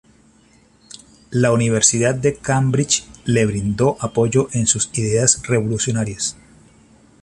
La Universidad de Cambridge le brindó apoyo en sus ideas revolucionarias.